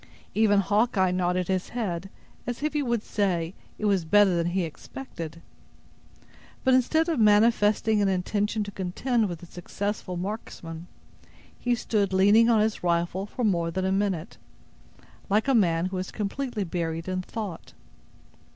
Even Hawkeye nodded his head, as if he would say, it was better than he expected. But, instead of manifesting an intention to contend with the successful marksman, he stood leaning on his rifle for more than a minute, like a man who was completely buried in thought.